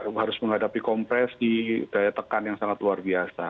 kita harus menghadapi kompresi daya tekan yang sangat luar biasa